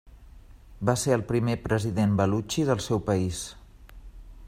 Va ser el primer president balutxi del seu país.